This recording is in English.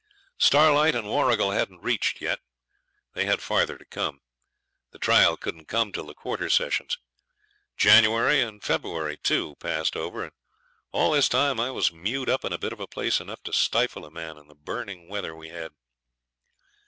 Starlight and Warrigal hadn't reached yet; they had farther to come. The trial couldn't come till the Quarter Sessions. January, and February too, passed over, and all this time I was mewed up in a bit of a place enough to stifle a man in the burning weather we had.